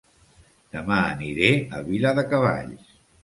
Dema aniré a Viladecavalls